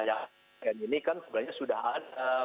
yang ini kan sebenarnya sudah ada